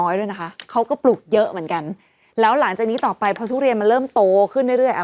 เยอะเหมือนกันแล้วหลังจากนี้ต่อไปเพราะทุเรียนมันเริ่มโตขึ้นเรื่อยเรื่อยอ่ะ